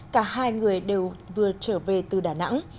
cả hai người đều vừa trở về từ đà nẵng